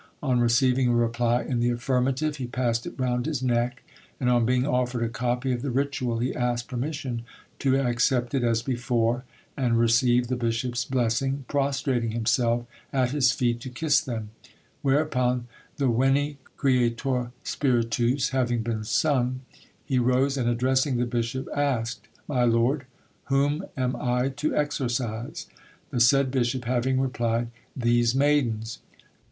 On receiving a reply in the affirmative, he passed it round his neck, and on being offered a copy of the ritual, he asked permission to accept it as before, and received the bishop's blessing, prostrating himself at his feet to kiss them; whereupon the Veni Creator Spiritus having been sung, he rose, and addressing the bishop, asked— "'My lord, whom am I to exorcise?'" The said bishop having replied— "'These maidens.